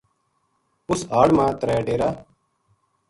اُس ہاڑ ما ترے ڈیرا